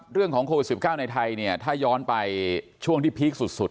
เรื่องของโควิด๑๙ในไทยเนี่ยถ้าย้อนไปช่วงที่พีคสุด